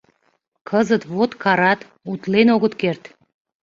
Кызыт вот карат, утлен огыт керт!